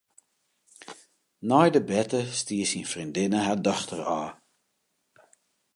Nei de berte stie syn freondinne har dochter ôf.